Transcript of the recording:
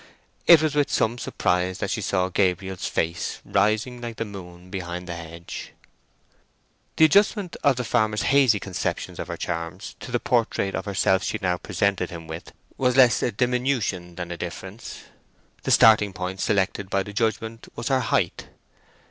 It was with some surprise that she saw Gabriel's face rising like the moon behind the hedge. The adjustment of the farmer's hazy conceptions of her charms to the portrait of herself she now presented him with was less a diminution than a difference. The starting point selected by the judgment was her height.